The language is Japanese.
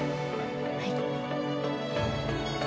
はい。